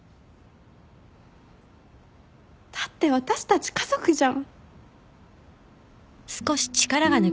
だって私たち家族じゃん。